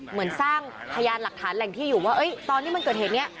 เหมือนสร้างพยานหลักฐานแหล่งที่อยู่ว่าตอนที่มันเกิดเหตุนี้